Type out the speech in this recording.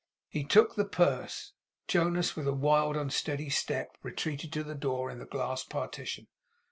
He took the purse. Jonas, with a wild unsteady step, retreated to the door in the glass partition.